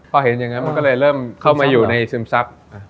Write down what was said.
พอเห็นอย่างนั้นมันก็เลยเริ่มเข้ามาอยู่ในซึมซับ